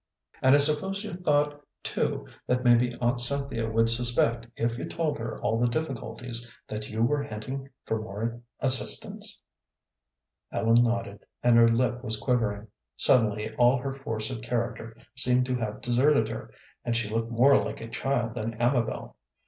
"And I suppose you thought, too, that maybe Aunt Cynthia would suspect, if you told her all the difficulties, that you were hinting for more assistance." Ellen nodded, and her lip was quivering. Suddenly all her force of character seemed to have deserted her, and she looked more like a child than Amabel.